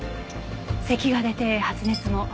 せきが出て発熱も。